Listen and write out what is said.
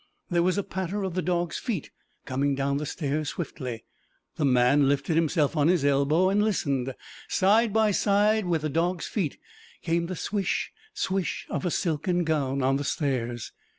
There was the patter of the dog's feet coming down the stairs swiftly. The man lifted himself on his elbow and listened. Side by side with the dog's feet came the swish, swish of a silken gown on the stairs.